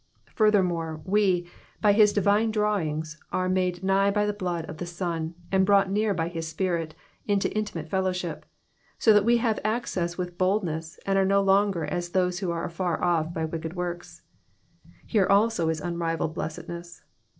Furtheimore, we, by his divine drawings, are made nigh by the blood of his tion, and brought near by his spirit, into intimate fellowship ; so that we have access with boldness, and are no longer as those who are afar off by wicked works : here also is unrivalled blessedness.